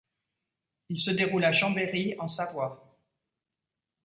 Il se déroule à Chambéry en Savoie.